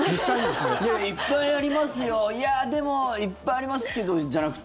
いっぱいありますよいや、でもいっぱいありますけどじゃなくて？